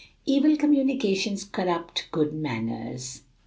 "Evil communications corrupt good manners."